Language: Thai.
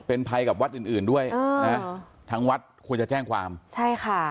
เป็นภัยกับวัดอื่นอื่นด้วยเออนะทางวัดควรจะแจ้งความใช่ค่ะ